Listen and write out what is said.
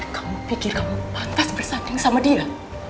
kamu pikir kamu pantas bersanding sama dia